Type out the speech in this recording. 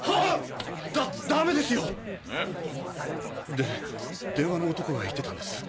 で電話の男が言ってたんです。